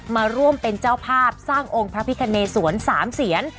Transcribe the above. มาร่วมเป็นเจ้าภาพสร้างองค์พระพิคเนสวน๓เสียน